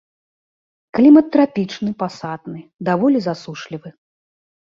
Клімат трапічны пасатны, даволі засушлівы.